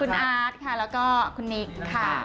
คุณอาร์ดค่ะและคุณนิดค่ะ